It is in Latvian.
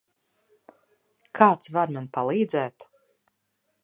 Kāds var man palīdzēt?